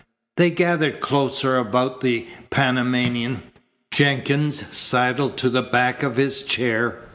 They gathered closer about the Panamanian. Jenkins sidled to the back of his chair.